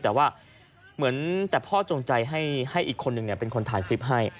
แต่ว่าเหมือนแต่พ่อจงใจให้อีกคนนึงเป็นคนถ่ายคลิปให้